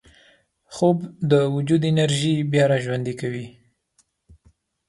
خوب د وجود انرژي بیا راژوندي کوي